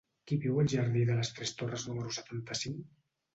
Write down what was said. Qui viu al jardí de les Tres Torres número setanta-cinc?